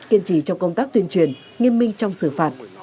kiên trì trong công tác tuyên truyền nghiêm minh trong xử phạt